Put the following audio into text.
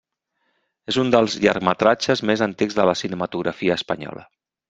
És un dels llargmetratges més antics de la cinematografia espanyola.